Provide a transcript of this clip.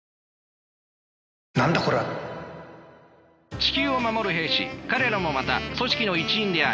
地球を守る兵士彼らもまた組織の一員である。